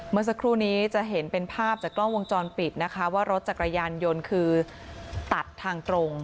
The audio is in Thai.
เมื่อสักครู่นี้จะเห็นเป็นภาพจากกล้องวงจรปิดนะคะว่ารถจักรยานยนต์คือตัดทางตรง